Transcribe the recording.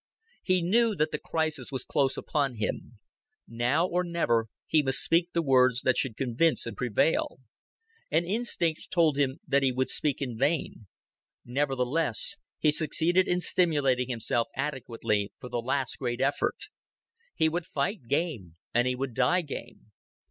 He knew that the crisis was close upon him. Now or never he must speak the words that should convince and prevail; and instinct told him that he would speak in vain. Nevertheless, he succeeded in stimulating himself adequately for the last great effort. He would fight game and he would die game.